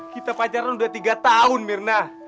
kita pacaran sudah tiga tahun myrna